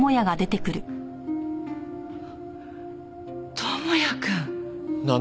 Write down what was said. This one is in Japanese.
友也くん。